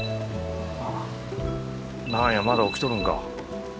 何やまだ起きとるんか